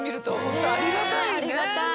ありがたい。